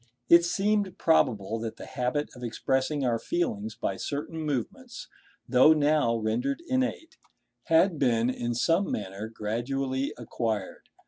It seemed probable that the habit of expressing our feelings by certain movements, though now rendered innate, had been in some manner gradually acquired.